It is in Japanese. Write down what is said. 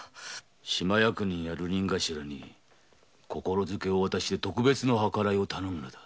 島役人や流人ガシラに心づけを渡し特別の計らいを頼むのだ。